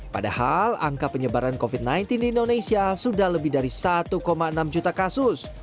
padahal angka penyebaran covid sembilan belas di indonesia sudah lebih dari satu enam juta kasus